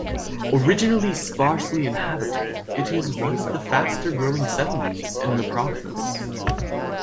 Originally sparsely inhabited, it is one of the faster-growing settlements in the province.